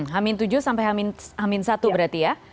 h tujuh sampai h satu berarti ya